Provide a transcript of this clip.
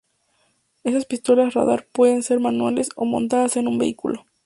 Estas pistolas radar pueden ser manuales o montadas en un vehículo.